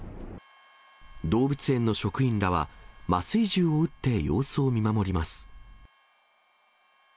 動物園の職員らは、麻酔銃を撃って、様子を見守ります。